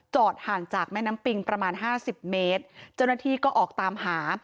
ห่างจากแม่น้ำปิงประมาณห้าสิบเมตรเจ้าหน้าที่ก็ออกตามหา